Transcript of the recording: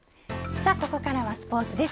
さあここからはスポーツです。